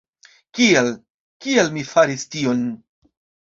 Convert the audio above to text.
Kial, kial mi faris tion?